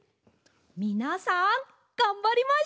みなさんがんばりましょう！